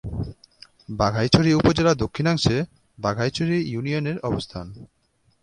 বাঘাইছড়ি উপজেলার দক্ষিণাংশে বাঘাইছড়ি ইউনিয়নের অবস্থান।